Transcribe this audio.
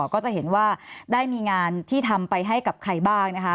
ก็จะเห็นว่าได้มีงานที่ทำไปให้กับใครบ้างนะคะ